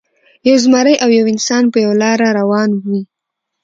یو زمری او یو انسان په یوه لاره روان وو.